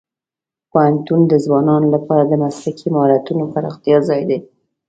پوهنتون د ځوانانو لپاره د مسلکي مهارتونو پراختیا ځای دی.